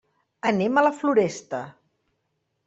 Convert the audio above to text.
Anem a la Floresta.